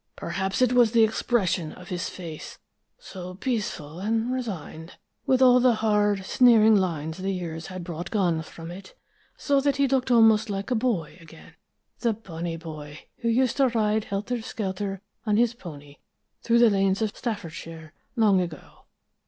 Perhaps it was the expression of his face so peaceful and resigned, with all the hard, sneering lines the years had brought gone from it, so that he looked almost like a boy again, the bonny boy who used to ride helter skelter on his pony through the lanes of Staffordshire, long ago."